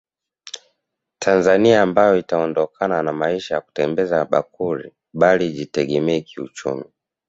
Tanzania ambayo itaondokana na maisha ya kutembeza bakuli bali ijitegemee kiuchumi